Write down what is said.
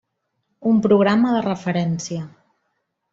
Un programa de referència.